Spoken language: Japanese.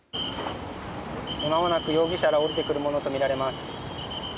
まもなく容疑者が降りてくるものとみられます。